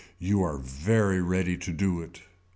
You are very ready to do it.